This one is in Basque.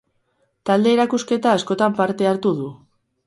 Talde-erakusketa askotan parte hartu du.